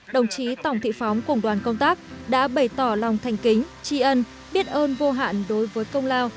đồng chí tổng thị phóng cùng đoàn công tác đã bày tỏ lòng thành kính tri ân biết ơn vô hạn đối với công lao